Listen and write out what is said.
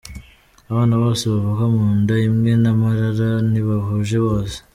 Abana bose bavuka mu nda imwe na Marara ntibahuje base.